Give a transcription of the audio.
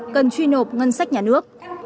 cần truy nộp ngân sách nhà nước